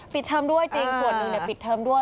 เทอมด้วยจริงส่วนหนึ่งปิดเทอมด้วย